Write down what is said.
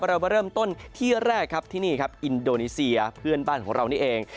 เรามาเริ่มต้นที่แรกครับที่นี่ครับอินโดนีเซียเพื่อนบ้านของเรานี่เอง